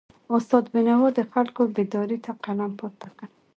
استاد بینوا د خلکو بیداری ته قلم پورته کړ.